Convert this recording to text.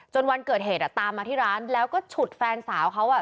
วันเกิดเหตุอ่ะตามมาที่ร้านแล้วก็ฉุดแฟนสาวเขาอ่ะ